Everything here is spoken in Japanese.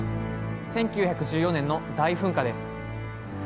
１９１４年の大噴火です。